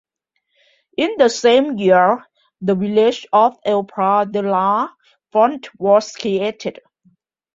In the same year, the village of El Pla de la Font was created.